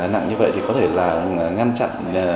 nặng như vậy thì có thể là ngăn chặn